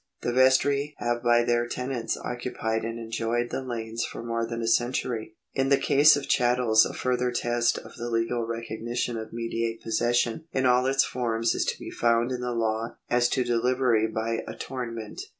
The vestry have by their tenants occupied and enjoyed the lanes for more than a century." In the case of chattels a further test of the legal recognition of mediate possession in all its forms is to be found in the law as to delivery by attorn ment.